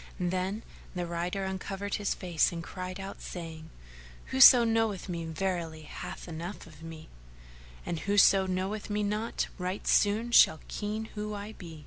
Then the rider uncovered his face and cried out, saying, "Whoso knoweth me verily hath enough of me, and whoso knoweth me not right soon[FN#447] shall ken who I be.